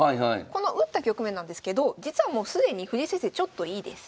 この打った局面なんですけど実はもう既に藤井先生ちょっといいです。